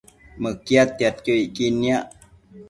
Mëquiadtiadquio icquid naic